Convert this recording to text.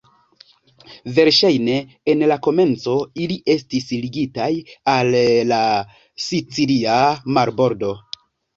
Verŝajne en la komenco ili estis ligitaj al la sicilia marbordo.